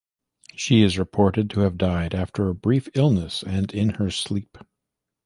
She is reported to have died after a brief illness and in her sleep.